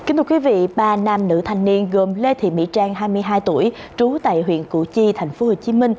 ba nam nữ thanh niên gồm lê thị mỹ trang hai mươi hai tuổi trú tại huyện củ chi tp hcm